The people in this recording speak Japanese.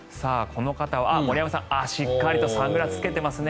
森山さん、しっかりとサングラスつけてますね。